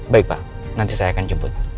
baik pak nanti saya akan jemput